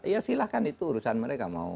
ya silahkan itu urusan mereka mau